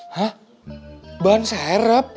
hah ban serep